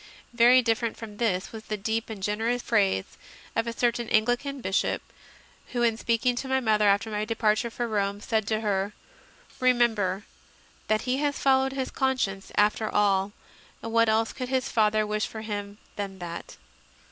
Very different from this was the deep and generous phrase of a certain Anglican Bishop, who, in speak ing to my mother after my departure for Rome, said to her, "Remember that he has followed his conscience after all, and what else could his father wish for him than that?"